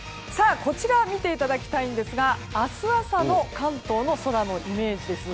こちらを見ていただきたいんですが明日朝の関東の空のイメージです。